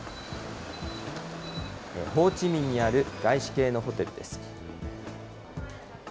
ホーチミンにある外資系のホテルです。